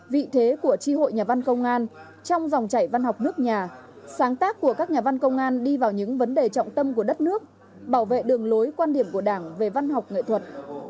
vị thế của tri hội nhà văn công an trong dòng chảy văn học nước nhà sáng tác của các nhà văn công an đi vào những vấn đề trọng tâm của đất nước bảo vệ đường lối quan điểm của đảng về văn học nghệ thuật